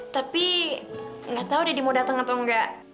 tapi gak tau dedy mau datang atau enggak